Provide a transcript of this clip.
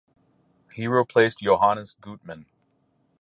He replaced Johannes Gutmann.